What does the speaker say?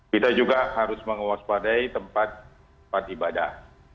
kita juga harus menguas padai tempat ibadah